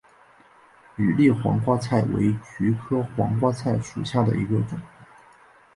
羽裂黄瓜菜为菊科黄瓜菜属下的一个种。